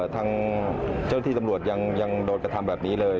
ทางเจ้าที่ตำรวจยังโดนกระทำแบบนี้เลย